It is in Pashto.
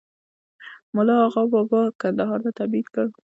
مُلا آغابابا کندهار ته تبعید کړ.